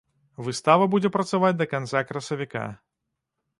Выстава будзе працаваць да канца красавіка.